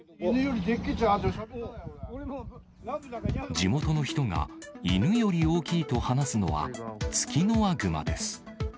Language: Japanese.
地元の人が犬より大きいと話すのは、ツキノワグマです。